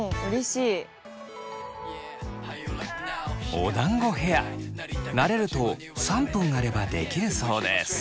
おだんごヘア慣れると３分あればできるそうです。